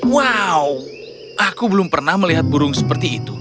wow aku belum pernah melihat burung seperti itu